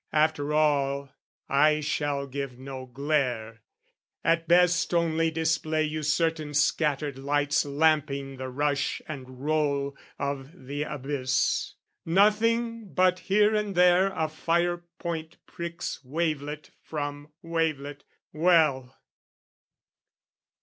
After all, I shall give no glare at best Only display you certain scattered lights Lamping the rush and roll of the abyss Nothing but here and there a fire point pricks Wavelet from wavelet: well!